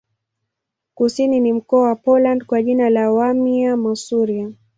Kusini ni mkoa wa Poland kwa jina la Warmia-Masuria.